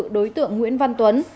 đối tượng nguyễn văn tuấn